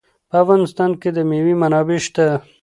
په افغانستان کې د مېوې منابع شته.